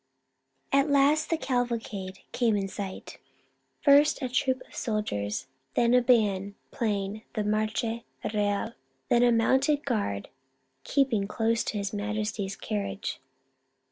At last the cavalcade came in sight, — first a troop of soldiers, then a band playing the Marcha Real, then a mounted guard keep ing close to His Majesty's carnage.